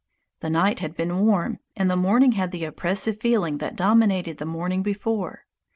The night had been warm, and the morning had the oppressive feeling that dominated the morning before.